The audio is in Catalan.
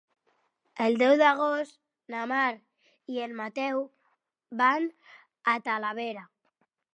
El deu d'agost na Mar i en Mateu van a Talavera.